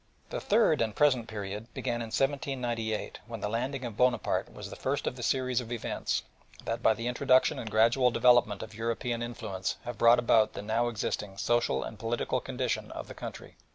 The third and present period began in 1798 when the landing of Bonaparte was the first of the series of events that by the introduction and gradual development of European influence have brought about the now existing social and political condition of the country.